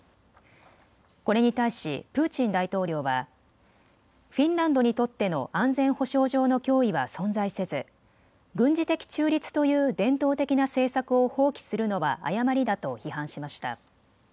これに対しプーチン大統領はフィンランドにとっての安全保障上の脅威は存在せず軍事的中立という伝統的な政策を放棄するのは誤りだと批判しました。